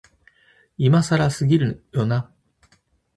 今更すぎるよな、